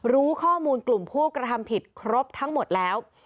รู้ข้อมูลกลุ่มผู้กระทำผิดครบทั้งหมดแล้ว